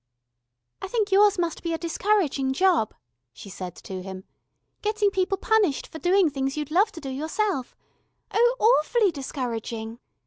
"I think yours must be a discouraging job," she said to him. "Getting people punished for doing things you'd love to do yourself. Oh, awfully discouraging.